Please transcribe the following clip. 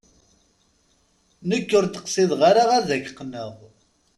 Nekk ur d-qqsideɣ ara ad ak-qqneɣ.